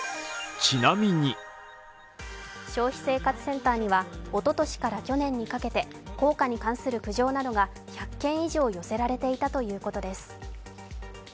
消費生活センターにはおととしから去年にかけて効果に関する苦情などが１００件以上寄せられていたということです。